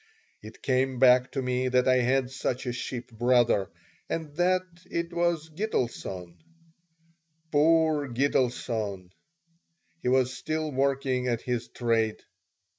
It came back to me that I had such a ship brother, and that it was Gitelson. Poor Gitelson! He was still working at his trade.